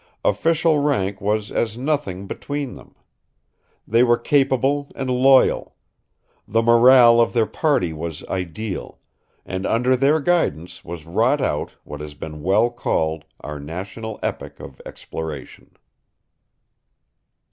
Official rank was as nothing between them. They were capable and loyal; the morale of their party was ideal; and under their guidance was wrought out what has been well called our national epic of exploration.